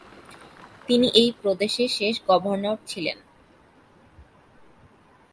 তিনি এই প্রদেশের শেষ গভর্নর ছিলেন।